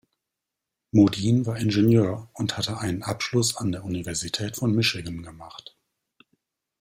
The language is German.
Modine war Ingenieur und hatte einen Abschluss an der Universität von Michigan gemacht.